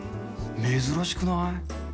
珍しくない。